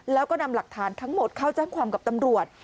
แล้วก็นำหลักฐานทั้งหมดเข้าแจ้งความกับตำรวจ